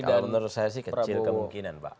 kalau menurut saya sih kecil kemungkinan pak